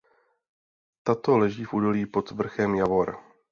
Tato leží v údolí pod vrchem Javor.